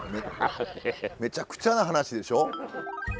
めちゃくちゃな話でしょう。